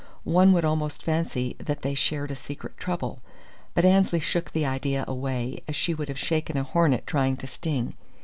One would almost fancy they shared a secret trouble. But Annesley shook the idea away, as she would have shaken a hornet trying to sting.